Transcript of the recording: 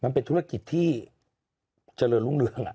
มันเป็นธุรกิจที่เจริญรุ่งเรือง